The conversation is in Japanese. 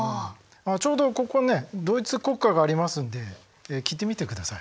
ちょうどここねドイツ国歌がありますんで聴いてみてください。